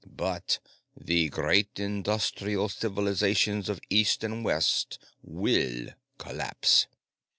"But the great industrial civilizations of East and West will collapse."